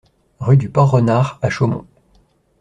Rue du Port Renard à Chaumont